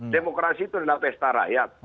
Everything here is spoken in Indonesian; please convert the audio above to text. demokrasi itu adalah pesta rakyat